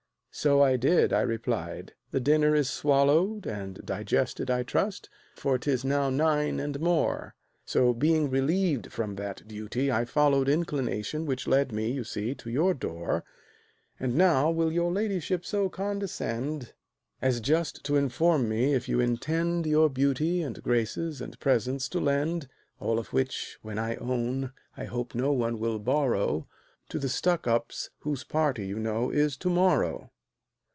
"So I did," I replied; "the dinner is swallowed, And digested, I trust, for 'tis now nine and more, So, being relieved from that duty, I followed Inclination, which led me, you see, to your door; And now will your ladyship so condescend As just to inform me if you intend Your beauty, and graces, and presence to lend (All of which, when I own, I hope no one will borrow) To the Stuckups' whose party, you know, is to morrow?"